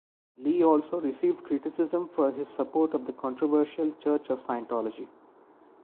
Lee also received criticism for his support of the controversial Church of Scientology.